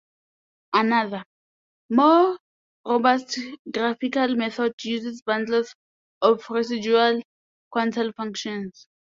Another, more robust graphical method uses bundles of residual quantile functions.